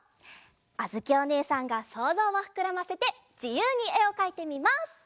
あづきおねえさんがそうぞうをふくらませてじゆうにえをかいてみます！